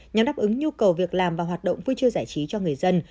nhằm đáp ứng nhu cầu việc làm và hoạt động vui chơi giải trí cho người dân